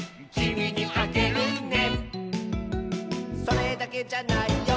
「それだけじゃないよ」